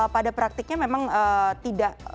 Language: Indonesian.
pada praktiknya memang tidak